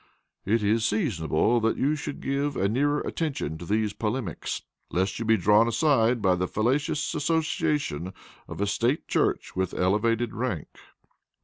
It is seasonable that you should give a nearer attention to these polemics, lest you be drawn aside by the fallacious association of a State Church with elevated rank."